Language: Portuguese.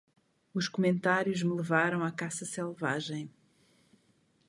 Os comentários me levaram a caça selvagem.